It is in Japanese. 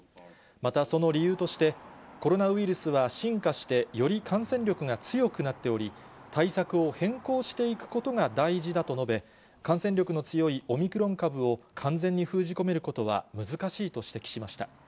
また、その理由として、コロナウイルスは進化して、より感染力が強くなっており、対策を変更していくことが大事だと述べ、感染力の強いオミクロン株を、完全に封じ込めることは難しいと指摘しました。